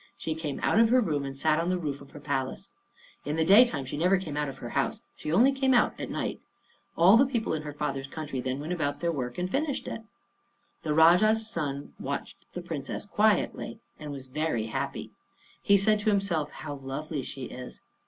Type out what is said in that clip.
She came out of her room and sat on the roof of her palace. In the daytime she never came out of her house; she only came out at night. All the people in her father's country then went about their work and finished it. The Rajah's son, watched the Princess quietly, and was very happy. He said to himself, "How lovely she is!"